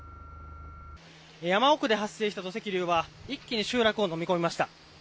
山奥で発生した土石流は一気に集落を飲み込みました。